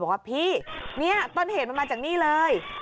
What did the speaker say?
บอกว่าพี่นี่ต้นเห็นมาจากนี้เลย